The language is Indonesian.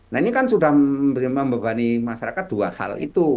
nah ini kan sudah membebani masyarakat dua hal itu